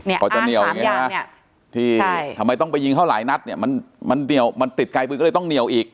อ้างสามอย่างที่ทำไมต้องไปยิงเข้าหลายนัดมันติดไกลปืนก็เลยต้องเหนียวอีก